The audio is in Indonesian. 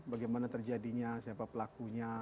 bagaimana terjadinya siapa pelakunya